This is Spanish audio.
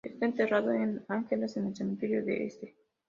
Está enterrado en Angers, en el Cementerio del Este.